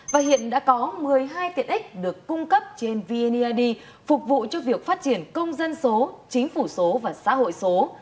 và hiện đã có một mươi hai tiện ích được cung cấp trên vneid phục vụ cho việc phát triển công dân số chính phủ số và xã hội số